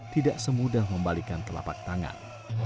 tidak semudah membalikan telapak tangan